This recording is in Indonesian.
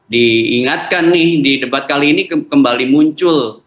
diingatkan nih di debat kali ini kembali muncul